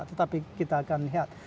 tetapi kita akan lihat